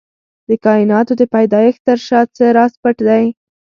د کائناتو د پيدايښت تر شا څه راز پټ دی؟